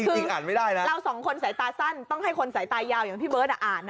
จริงอ่านไม่ได้แล้วเราสองคนสายตาสั้นต้องให้คนสายตายาวอย่างพี่เบิร์ตอ่านนะ